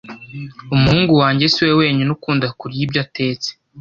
Umuhungu wanjye siwe wenyine ukunda kurya ibyo atetse.